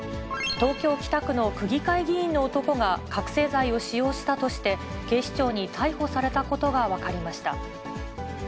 東京・北区の区議会議員の男が覚醒剤を使用したとして、警視庁に逮捕されたことが分かりました。